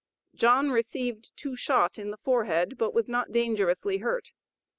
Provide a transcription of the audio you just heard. John received two shot in the forehead, but was not dangerously hurt.